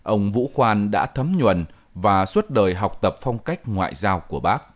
ông vũ khoan đã thấm nhuần và suốt đời học tập phong cách ngoại giao của bác